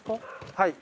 はい。